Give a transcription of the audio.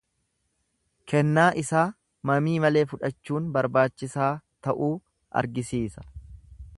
Kennaa isaa mamii malee fudhachuun barbaachisaa ta'uu argisiisa.